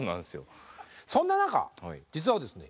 そんな中実はですね